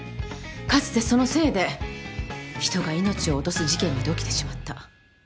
かつてそのせいで人が命を落とす事件まで起きてしまった。